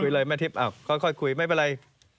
เลยแม่ทิพย์ค่อยคุยไม่เป็นไร